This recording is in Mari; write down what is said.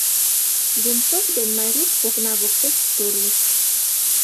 Венцов ден Майрук окна воктеч торлышт.